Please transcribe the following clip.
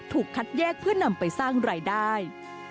คัดแยกเพื่อนำไปสร้างรายได้